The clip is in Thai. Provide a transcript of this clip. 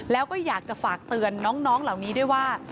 แล้วก็อยากจะฝากเตือนน้องเหล่านี้ด้วยว่า